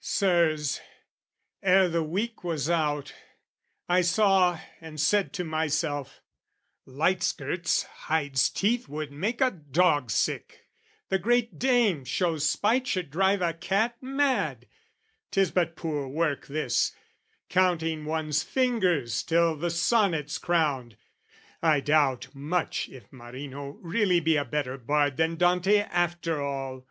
Sirs, ere the week was out, I saw and said to myself "Light skirts hides teeth "Would make a dog sick, the great dame shows spite "Should drive a cat mad: 'tis but poor work this "Counting one's fingers till the sonnet's crowned. "I doubt much if Marino really be "A better bard than Dante after all.